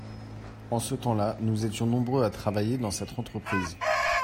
en ce temps-là nous étions nombreux à travailler dans cette entreprise.